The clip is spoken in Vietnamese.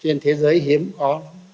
trên thế giới hiếm có